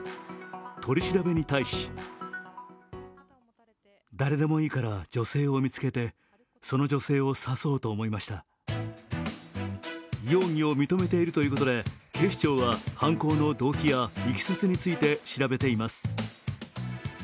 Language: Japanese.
取り調べに対し容疑を認めているということで警視庁は犯行の動機やいきさつについて調べています。